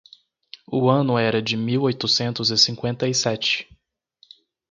o ano era de mil oitocentos e cinquenta e sete.